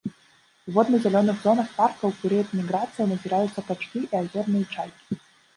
У водна-зялёных зонах парка ў перыяд міграцыі назіраюцца качкі і азёрныя чайкі.